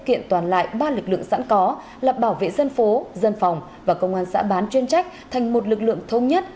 kiện toàn lại ba lực lượng sẵn có là bảo vệ dân phố dân phòng và công an xã bán chuyên trách thành một lực lượng thông nhất